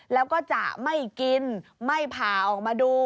แล้วก็จะไม่กินไม่ผ่าออกมาดู